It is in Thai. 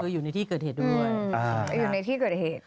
คืออยู่ในที่เกิดเหตุด้วย